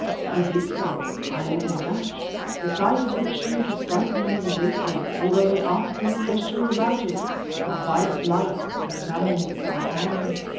"He did so. I lit a match, the sight of which seemed to frighten him greatly, although he asked no questions about it, and by its light examined the hand.